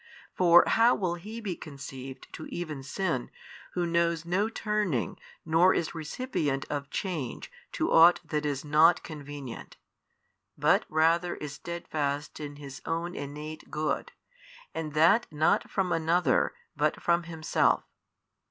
For how will he be conceived to even sin who knows no turning nor is recipient of change to ought that is not |658 convenient, but rather is steadfast in His own innate Good, and that not from another but from Himself?